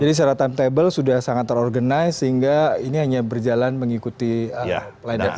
jadi secara timetable sudah sangat terorganisasi sehingga ini hanya berjalan mengikuti plenar